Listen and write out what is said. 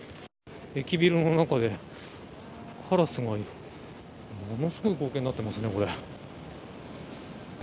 駅ビルの中でカラスがものすごい光景になってますね。